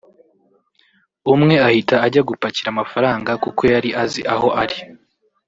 umwe ahita ajya gupakira amafaranga kuko yari azi aho ari